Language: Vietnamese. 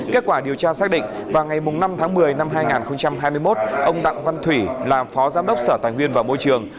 kết quả điều tra xác định vào ngày năm tháng một mươi năm hai nghìn hai mươi một ông đặng văn thủy là phó giám đốc sở tài nguyên và môi trường